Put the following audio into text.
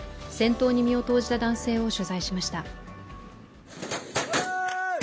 戦闘に身を投じた男性を取材しました。